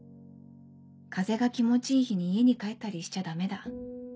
「風が気持ちいい日に家に帰ったりしちゃダメだ。